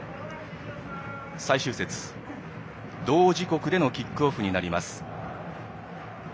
最終節、同時刻でのキックオフになります。